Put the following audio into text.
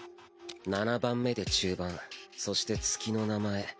７番目で中盤そして月の名前